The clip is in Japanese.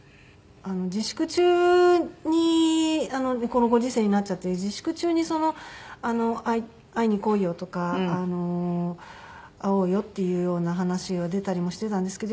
自粛中にこのご時世になっちゃって自粛中に「会いに来いよ」とか会おうよっていうような話が出たりもしていたんですけど。